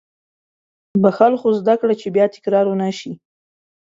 • بښل، خو زده کړه چې بیا تکرار ونه شي.